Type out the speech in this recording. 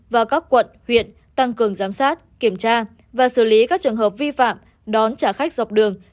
và các quận huyện tăng cường giám sát kiểm tra và xử lý các trường hợp vi phạm đón trả khách dọc đường